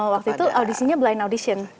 waktu itu audisinya blind audition